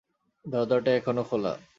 দরজাটা এখনো খোলা।